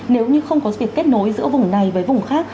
nếu như không có việc kết nối giữa vùng này với vùng khác